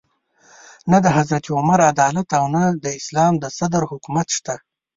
نه د حضرت عمر عدالت او نه د اسلام د صدر حکومت شته.